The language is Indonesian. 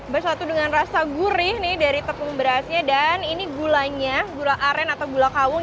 bersatu dengan rasa gurih nih dari tepung berasnya dan ini gulanya gula aren atau gula kawung